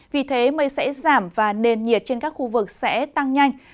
vì thế mây sẽ giảm và nền nhiệt trên các khu vực sẽ tăng nhanh